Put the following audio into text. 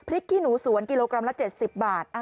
ขี้หนูสวนกิโลกรัมละ๗๐บาท